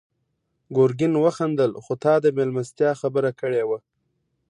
ګرګين وخندل: خو تا د مېلمستيا خبره کړې وه.